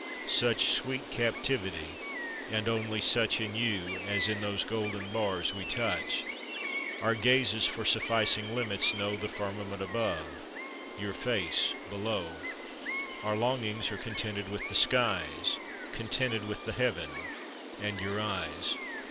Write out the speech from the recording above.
Such sweet captivity, and only such, In you, as in those golden bars, we touch! Our gazes for sufficing limits know The firmament above, your face below; Our longings are contented with the skies, Contented with the heaven, and your eyes.